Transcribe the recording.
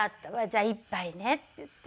じゃあ１杯ね」って言って。